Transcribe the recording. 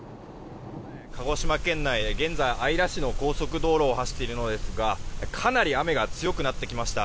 鹿児島県内姶良市の高速道路を走っているのですがかなり雨が強くなってきました。